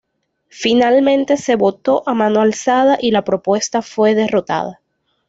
Finalmente se votó a mano alzada y la propuesta fue derrotada.